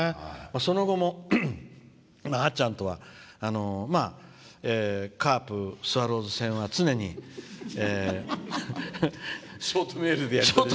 その後も、あっちゃんとはカープ、スワローズ戦は常にショートメールで。